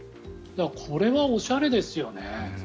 これはおしゃれですよね。